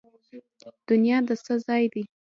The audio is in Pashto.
دنیا د څه ځای دی؟